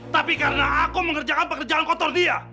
tapi karena aku mengerjakan pekerjaan kotor dia